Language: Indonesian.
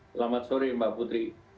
selamat sore mbak putri